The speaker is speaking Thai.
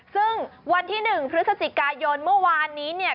ซึ่งวันที่๑พฤศจิกายนเมื่อวานนี้เนี่ย